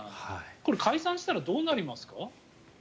これ解散したらどうなりますか？